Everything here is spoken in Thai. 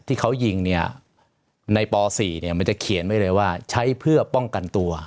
ที่เขายิงเนี่ยในป๔มันจะเขียนไว้เลยว่าใช้เพื่อป้องกันตัว